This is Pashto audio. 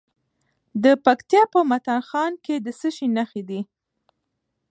د پکتیکا په متا خان کې د څه شي نښې دي؟